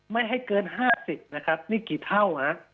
ไม่ให้เกิน๕๐นะครับนี่กี่เท่านะ